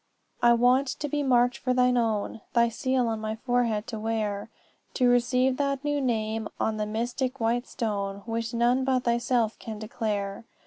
"'I want to be marked for thine own Thy seal on my forehead to wear; To receive that new name on the mystic white stone Which none but thyself can declare.